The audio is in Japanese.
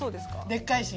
でっかいし。